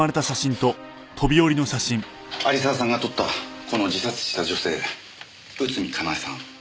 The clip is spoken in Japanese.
有沢さんが撮ったこの自殺した女性内海佳苗さん